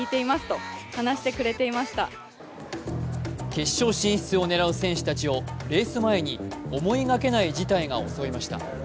決勝進出を狙う選手たちを、レース前に思いがけない事態が襲いました。